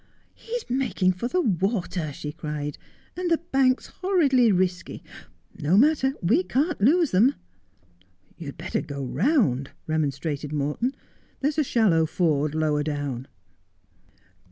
' He's making for the water !' she cried, ' and the bank's horridly risky ! No matter — we can't lose them.' ' You'd better go round,' remonstrated Morton, ' there's a shallow ford lower down.'